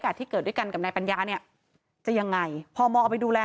กาธิเกิดด้วยกันกับแม่ปัญญาเนี่ยจะยังไงพ่อมไปดูแล